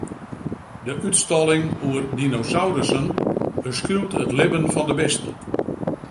De útstalling oer dinosaurussen beskriuwt it libben fan de bisten.